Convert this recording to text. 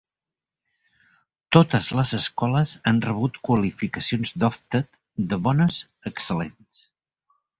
Totes les escoles han rebut qualificacions d'Ofsted de "bones" a "excel·lents".